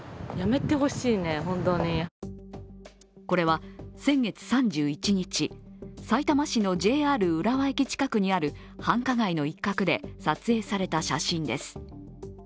これは先月３１日、さいたま市のＪＲ浦和駅近くにある繁華街の一角で撮影された写真です。